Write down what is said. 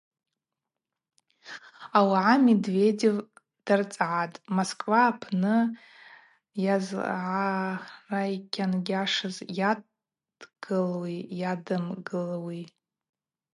Ауаъа Медведев дгӏарцӏгӏатӏ Москва апны йызлагӏарайкьангьашыз йадгылуи йадымгылуи.